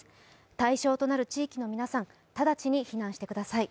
対象となる地域の皆さん、直ちに避難してください。